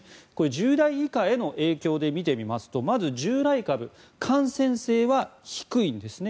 １０代以下への影響で見てみますとまず、従来株感染性は低いんですね。